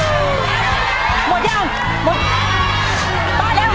เร็วเร็วเปล่าจะหมดแล้ว